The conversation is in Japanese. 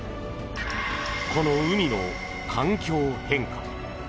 この海の環境変化。